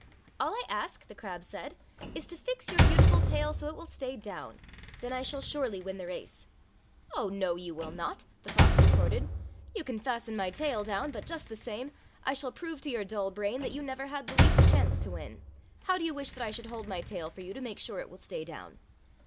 "All I ask," the crab said, "is to fix your beautiful tail so it will stay down. Then I shall surely win the race." "Oh, no, you will not," the fox retorted. "You can fasten my tail down, but, just the same, I shall prove to your dull brain that you never had the least chance to win. How do you wish that I should hold my tail for you to make sure it will stay down?"